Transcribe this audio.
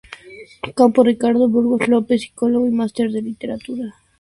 Campo Ricardo Burgos López, psicólogo y máster en literatura.